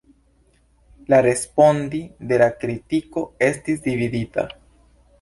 La respondi de la kritiko estis dividita.